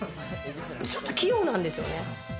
ちょっと器用なんですよね。